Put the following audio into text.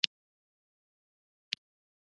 تعامل څه ته وايي.